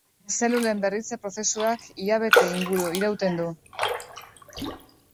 Zelulen berritze prozesuak hilabete inguru irauten du.